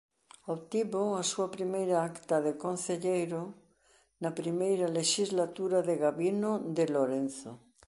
Obtivo a súa primeira acta de concelleiro na primeira lexislatura de Gabino de Lorenzo.